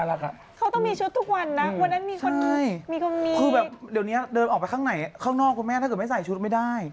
ดูด้วยคุณแม่ทำไมอ่ะ